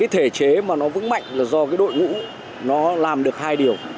thể chế mà nó vững mạnh là do đội ngũ làm được hai điều